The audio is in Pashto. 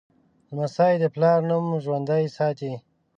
لمسی د پلار نوم ژوندی ساتي.